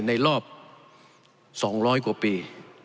ในรอบ๒๐๐กว่าปี